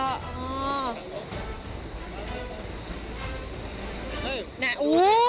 โอ้โห